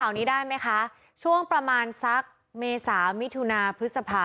นี้ได้ไหมคะช่วงประมาณสักเมษามิถุนาพฤษภา